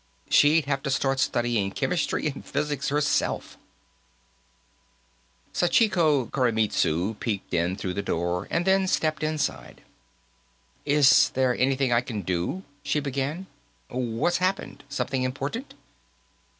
She'd have to start studying chemistry and physics, herself Sachiko Koremitsu peeped in through the door, then stepped inside. "Is there anything I can do ?" she began. "What's happened? Something important?"